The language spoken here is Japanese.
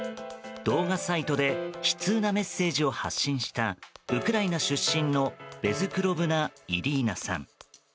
動画サイトで悲痛なメッセージを発信したウクライナ出身のベズクロブナ・イリーナさん。